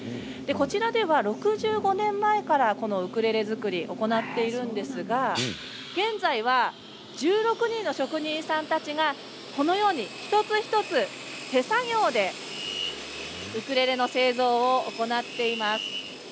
こちらでは、６５年前からこのウクレレ作り行っているんですが現在は、１６人の職人さんたちがこのように一つ一つ、手作業でウクレレの製造を行っています。